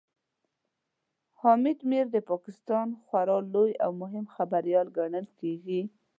حامد میر د پاکستان خورا لوی او مهم خبريال ګڼل کېږي